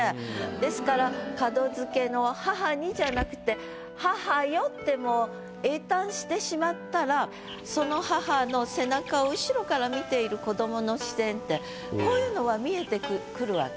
ですから「門付けの母に」じゃなくて「母よ」ってもうその母の背中を後ろから見ている子どもの視線ってこういうのは見えてくるわけね。